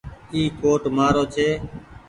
اي ڪوٽ مآ رو ڇي ۔